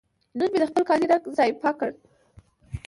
نن مې د خپل کالي رنګه ځای پاک کړ.